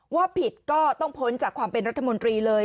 ว่าผิดก็ต้องพ้นจากความเป็นรัฐมนตรีเลย